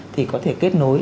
thì có thể kết nối